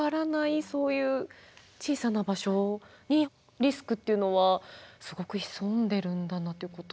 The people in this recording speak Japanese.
そういう小さな場所にリスクっていうのはすごく潜んでるんだなってことですよね。